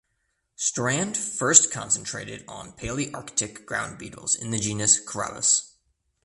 Strand first concentrated on Palearctic ground beetles in the genus "Carabus".